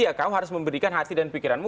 iya kamu harus memberikan hati dan pikiranmu